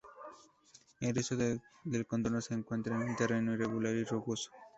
El resto del contorno se encuentra en un terreno irregular y rugoso.